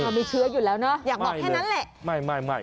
มีเชื้ออยู่แล้วเนอะอยากบอกแค่นั้นแหละ